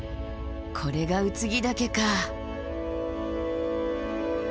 これが空木岳か。